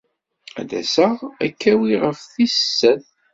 Ad d-aseɣ ad k-awiɣ ɣef tis sat.